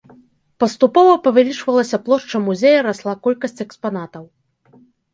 Паступова павялічвалася плошча музея, расла колькасць экспанатаў.